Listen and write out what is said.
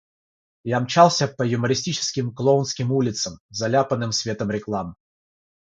Я мчался по юмористическим, клоунским улицам, заляпанным светом реклам.